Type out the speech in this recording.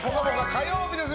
火曜日です。